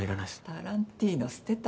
タランティーノ捨てた。